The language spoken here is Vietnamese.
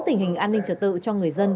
tình hình an ninh trở tự cho người dân